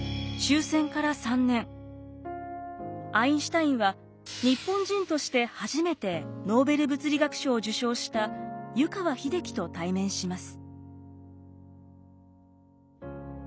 アインシュタインは日本人として初めてノーベル物理学賞を受賞した湯川秀樹と対面します。